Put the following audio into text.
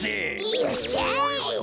よっしゃ！